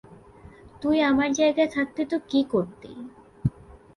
তুই আমার জায়গায় থাকতি তো কি করতি?